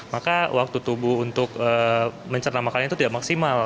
maka waktu tubuh untuk mencerna makanan itu tidak maksimal